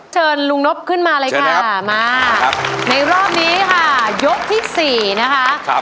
เชิญลุงนบขึ้นมาเลยค่ะมาในรอบนี้ค่ะยกที่๔นะคะ